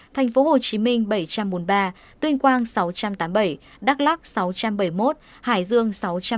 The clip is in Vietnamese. thành phố hồ chí minh bảy trăm bốn mươi ba tuyên quang sáu trăm tám mươi bảy đắk lắc sáu trăm bảy mươi một hải dương sáu trăm một mươi